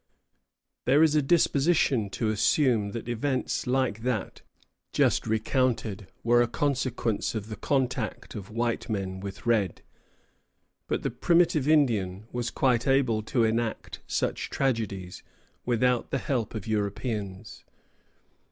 There is a disposition to assume that events like that just recounted were a consequence of the contact of white men with red; but the primitive Indian was quite able to enact such tragedies without the help of Europeans.